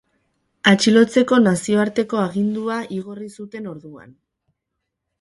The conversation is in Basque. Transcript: Atxilotzeko nazioarteko agindua igorri zuten orduan.